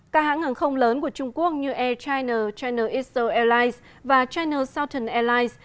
các hãng hàng không lớn của trung quốc như air china china east airlines và china southern airlines